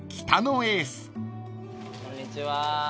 こんにちは。